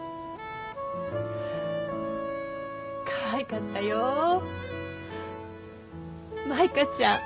かわいかったよ舞香ちゃん。